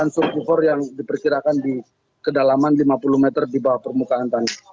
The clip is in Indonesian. surkufor yang diperkirakan di kedalaman lima puluh meter di bawah permukaan tanah